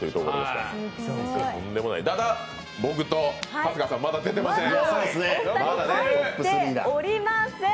ただ、僕と春日さん、まだ出てません。